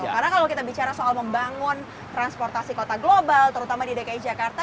karena kalau kita bicara soal membangun transportasi kota global terutama di dki jakarta